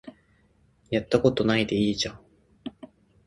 やったことないでいいじゃん